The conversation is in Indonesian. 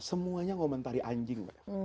semuanya komentari anjing